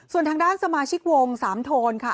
ส่วนทางด้านสมาชิกวงสามโทนค่ะ